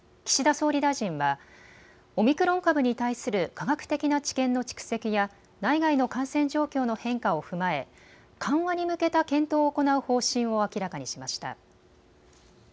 岸田総理大臣はオミクロン株に対する科学的な知見の蓄積や内外の感染状況の変化を踏まえ緩和に向けた検討を行う方針を明らかにしました。